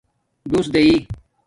ڈݸس دینئئ